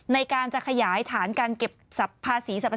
ในการจะขยายฐานการเก็บภาษีสรรพ